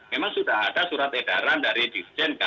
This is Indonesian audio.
memang sudah ada surat edaran dari dirjen